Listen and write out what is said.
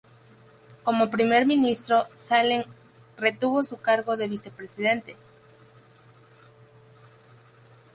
Como Primer ministro Saleh retuvo su cargo de vicepresidente.